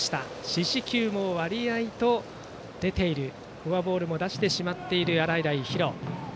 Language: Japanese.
四死球も、わりと出ているフォアボールも出してしまっている洗平比呂。